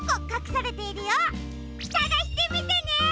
さがしてみてね！